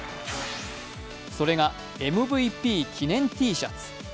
それがＭＶＰ記念Ｔシャツ。